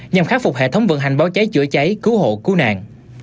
nhằm khắc phục hệ thống vận hành báo cháy chữa cháy cứu hộ cứu nạn